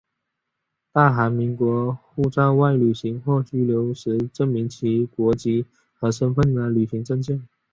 大韩民国护照外旅行或居留时证明其国籍和身份的旅行证件。